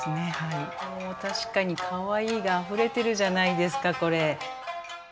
もう確かにカワイイがあふれてるじゃないですかこれ。